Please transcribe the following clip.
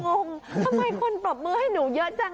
งงทำไมคนปรบมือให้หนูเยอะจัง